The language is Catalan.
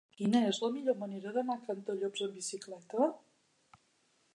Quina és la millor manera d'anar a Cantallops amb bicicleta?